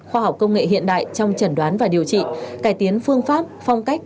khoa học công nghệ hiện đại trong trần đoán và điều trị cải tiến phương pháp phong cách